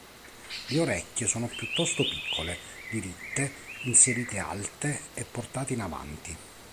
Le orecchie sono piuttosto piccole, diritte, inserite alte e portate in avanti.